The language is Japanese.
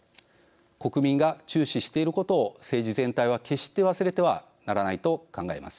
国民が注視していることを政治全体は決して忘れてはならないと考えます。